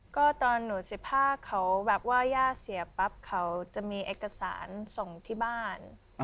ก็ตอนหนู๑๕เขาแบบว่าย่าเสียปั๊บเขาจะมีเอกสารส่งที่บ้าน